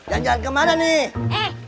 jalan jalan kemana nih